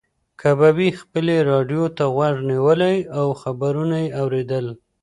کبابي خپلې راډیو ته غوږ نیولی و او خبرونه یې اورېدل.